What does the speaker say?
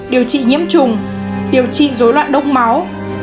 điều trị nhiễm trùng điều trị dối loạn đông máu